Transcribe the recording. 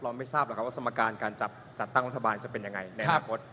ไม่ทราบหรอกครับว่าสมการการจัดตั้งรัฐบาลจะเป็นยังไงในอนาคต